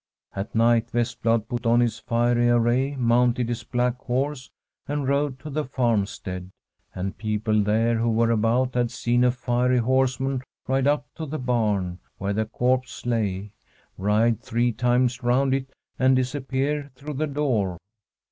At night Vestblad put on his fiery array, mounted his black horse, and rode to the farm stead ; and people there who were about had seen a fiery horseman ride up to the barn, where the corpse lay, ride three times round it and disappear through the door.